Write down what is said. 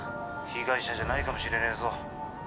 ☎被害者じゃないかもしれねえぞ